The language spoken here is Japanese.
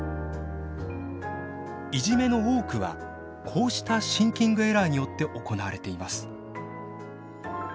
いじめの多くはこうしたシンキングエラーによって行われています。